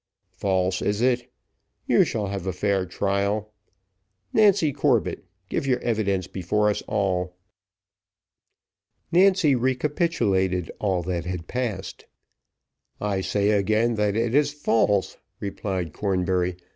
"False, is it? you shall have a fair trial. Nancy Corbett, give your evidence before us all." Nancy recapitulated all that had passed. "I say again, that it is false," replied Cornbury.